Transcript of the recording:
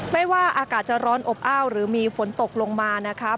ไม่ว่าอากาศจะร้อนอบอ้าวหรือมีฝนตกลงมานะครับ